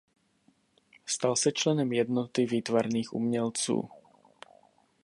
Stal se členem Jednoty výtvarných umělců.